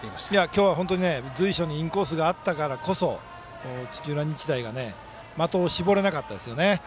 今日は随所にインコースがあったからこそ土浦日大が的を絞れなかったですよね。